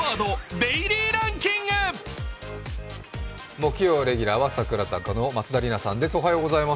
木曜レギュラーは櫻坂の松田里奈さんです。